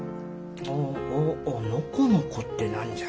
おうおうのこのこって何じゃ。